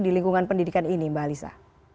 di lingkungan pendidikan ini mbak alisa